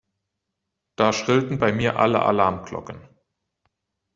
Da schrillten bei mir alle Alarmglocken.